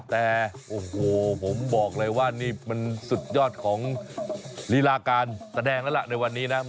แต่โอ้โหผมบอกเลยว่านี่มันสุดยอดของลีลาการแสดงแล้วล่ะในวันนี้นะ